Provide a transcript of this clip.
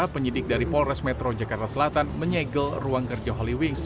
penyidik dari polres metro jakarta selatan menyegel ruang kerja holy wings